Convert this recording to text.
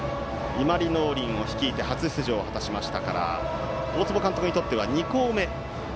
伊万里農林を率いて初出場を果たしましたから大坪監督にとっては２校目。